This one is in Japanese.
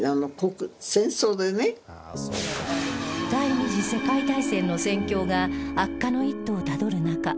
第二次世界大戦の戦況が悪化の一途をたどる中